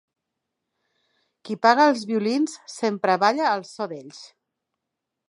Qui paga els violins sempre balla al so d'ells.